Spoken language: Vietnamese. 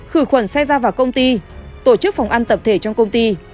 khử khuẩn xe ra vào công ty tổ chức phòng ăn tập thể trong công ty